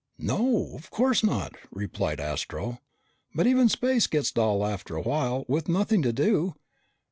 "No, of course not," replied Astro. "But even space gets dull after a while with nothing to do.